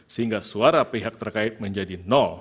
sehingga suara pihak terkait menjadi nol